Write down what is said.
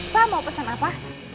pak mau pesan apa